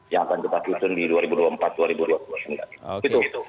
yang akan kita susun di dua ribu dua puluh empat dua ribu dua puluh ini